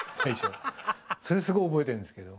それすごい覚えてるんですけど。